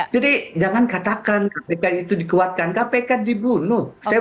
jadi jangan katakan kpk itu dikuatkan kpk dibunuh